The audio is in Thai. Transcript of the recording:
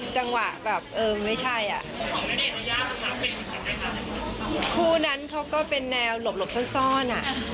จังหวะแบบเออไม่ใช่อ่ะคู่นั้นเขาก็เป็นแนวหลบหลบซ่อนซ่อนอ่ะ